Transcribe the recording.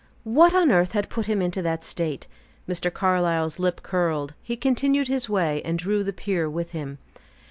What on earth had put him into that state? Mr. Carlyle's lip curled; he continued his way and drew the peer with him.